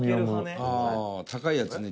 伊達：高いやつね。